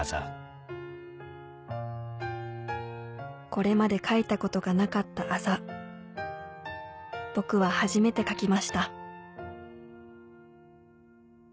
これまで描いたことがなかったあざ僕は初めて描きました